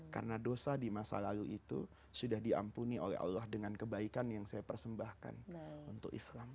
karena dosa di masa lalu itu sudah diampuni oleh allah dengan kebaikan yang saya persembahkan untuk islam